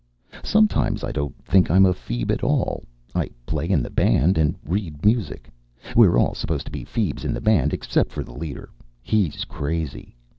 Sometimes I don't think I'm a feeb at all. I play in the band and read music. We're all supposed to be feebs in the band except the leader. He's crazy.